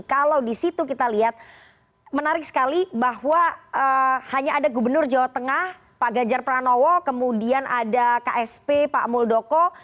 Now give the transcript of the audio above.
kalau di situ kita lihat menarik sekali bahwa hanya ada gubernur jawa tengah pak ganjar pranowo kemudian ada ksp pak muldoko